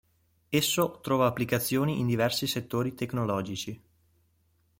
Esso trova applicazioni in diversi settori tecnologici.